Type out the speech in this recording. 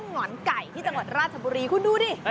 หอนไก่ที่จังหวัดราชบุรีคุณดูดิ